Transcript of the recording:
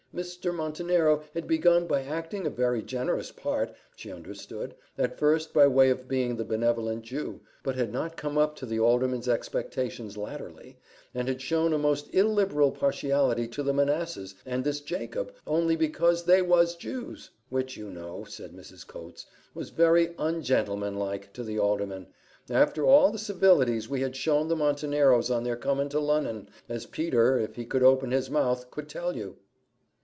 Mr. Montenero had begun by acting a very generous part, she understood, at first, by way of being the benevolent Jew, but had not come up to the alderman's expectations latterly, and had shown a most illiberal partiality to the Manessas, and this Jacob, only because they was Jews; which, you know," said Mrs. Coates, "was very ungentleman like to the alderman, after all the civilities we had shown the Monteneros on their coming to Lon'on as Peter, if he could open his mouth, could tell you."